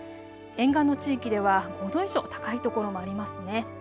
沿岸の地域では５度以上高い所もありますね。